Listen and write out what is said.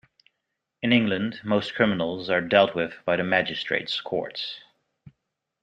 In England, most criminals are dealt with by the Magistrates’ Courts.